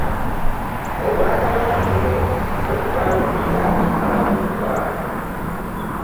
Obwakabaka muno mwe bubangulira abavubuka